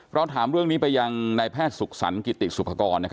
เราถามเรื่องนี้ไปอย่างในแพทย์ศูกษัฐรณกิติกศุภกร